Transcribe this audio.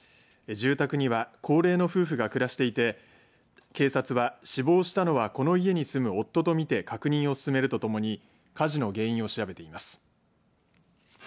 住宅には高齢の夫婦が暮らしていて警察は死亡したのはこの家に住む夫と見て確認を進めるとともに火事の原因を調べています。